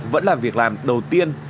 vẫn là việc làm đầu tiên